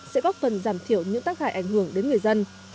sẽ góp phần giảm thiểu những tác hại ảnh hưởng đến người dân